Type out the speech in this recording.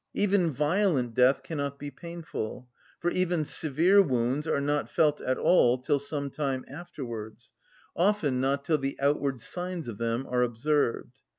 Even violent death cannot be painful, for even severe wounds are not felt at all till some time afterwards, often not till the outward signs of them are observed.